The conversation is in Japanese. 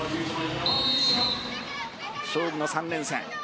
勝負の３連戦。